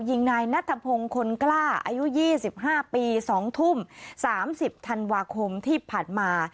ยิงนายนัทพงศ์คนกล้าอายุ๒๕ปี๒ทุ่ม๓๐ธันวาคมที่ผ่านมา